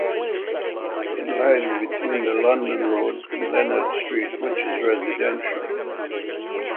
It lies between the London Road and Lennard Street which is residential.